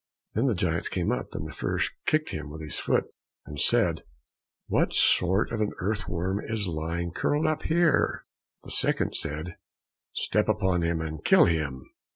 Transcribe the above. Then the giants came up, and the first kicked him with his foot and said, "What sort of an earth worm is lying curled up here?" The second said, "Step upon him and kill him."